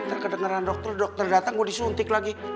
ntar kedengeran dokter dokter datang mau disuntik lagi